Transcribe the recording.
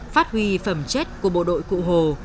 phát huy phẩm chất của bộ đội cụ hồ